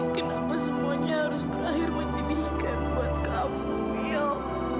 kenapa semuanya harus berakhir menjadikan buat kamu miel